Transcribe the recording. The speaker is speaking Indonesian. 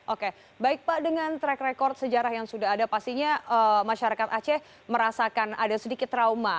oke baik pak dengan track record sejarah yang sudah ada pastinya masyarakat aceh merasakan ada sedikit trauma